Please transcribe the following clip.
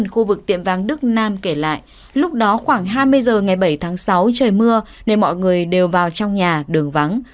khu vực tiệm vàng đức nam kể lại lúc đó khoảng hai mươi h ngày bảy tháng sáu trời mưa nên mọi người đều vào trong nhà đường vắng